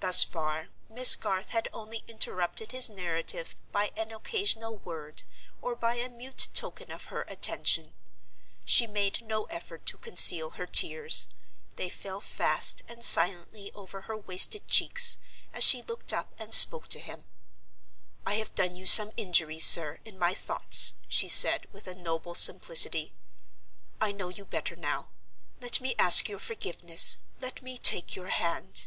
Thus far, Miss Garth had only interrupted his narrative by an occasional word or by a mute token of her attention. She made no effort to conceal her tears; they fell fast and silently over her wasted cheeks, as she looked up and spoke to him. "I have done you some injury, sir, in my thoughts," she said, with a noble simplicity. "I know you better now. Let me ask your forgiveness; let me take your hand."